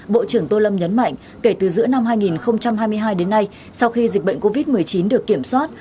bộ trưởng tô lâm nhấn mạnh kể từ giữa năm hai nghìn hai mươi hai đến nay sau khi dịch bệnh covid một mươi chín được kiểm soát